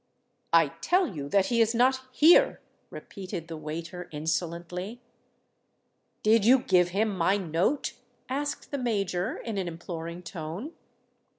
"I tell you that he is not here," repeated the waiter, insolently. "Did you give him my note?" asked the Major, in an imploring tone.